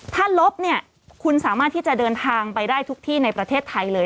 ถ้าลบเนี่ยคุณสามารถที่จะเดินทางไปได้ทุกที่ในประเทศไทยเลย